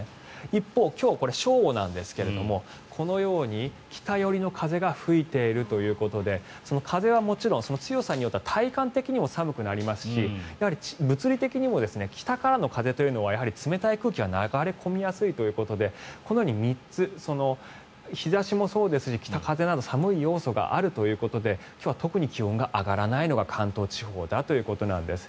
一方、今日正午なんですがこのように北寄りの風が吹いているということで風はもちろん強さによっては体感的にも寒くなりますし物理的にも北からの風は冷たい空気が流れ込みやすいということでこのように３つ日差しもそうですし北風など寒い要素があるということで今日は特に気温が上がらないのが関東地方だということなんです。